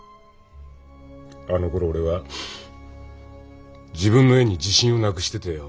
あの頃俺は自分の絵に自信をなくしててよ